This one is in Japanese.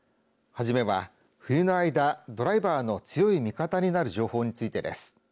はじめは、冬の間、ドライバーの強い味方になる情報についてです。